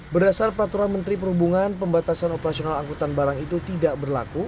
berdasar peraturan menteri perhubungan pembatasan operasional angkutan barang itu tidak berlaku